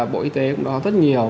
bộ y tế cũng đã có rất nhiều